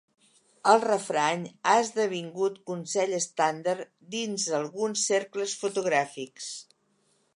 El refrany ha esdevingut consell estàndard dins alguns cercles fotogràfics.